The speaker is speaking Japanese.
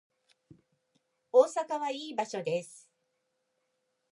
大阪はいい場所です